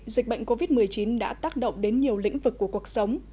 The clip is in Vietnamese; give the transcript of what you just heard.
dịch bệnh covid một mươi chín đã tác động đến nhiều lĩnh vực của cuộc sống